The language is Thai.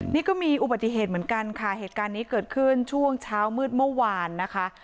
นี่ก็มีอุบัติเหตุเหมือนกันค่ะเหตุการณ์นี้เกิดขึ้นช่วงเช้ามืดเมื่อวานนะคะ